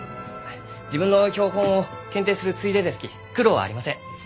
自分の標本を検定するついでですき苦労はありません。